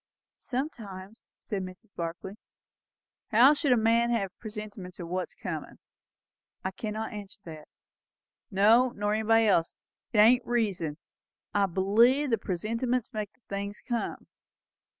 "Sometimes," said Mrs. Barclay. "How should a man have presentiments o' what's comin'?" "I cannot answer that." "No, nor nobody else. It ain't reason. I believe the presentiments makes the things come."